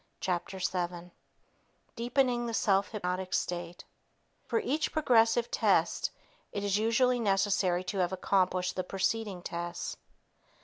Chapter 7 Deepening the Self Hypnotic State For each progressive test, it is usually necessary to have accomplished the preceding tests.